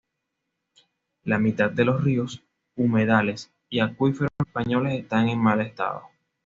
La mitad de los ríos, humedales y acuíferos españoles están en mal estado.